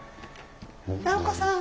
尚子さん